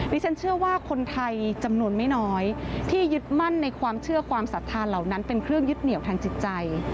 ฉันเชื่อว่าคนไทยจำนวนไม่น้อยที่ยึดมั่นในความเชื่อความศรัทธาเหล่านั้นเป็นเครื่องยึดเหนียวทางจิตใจ